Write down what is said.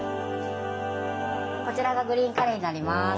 こちらがグリーンカレーになります。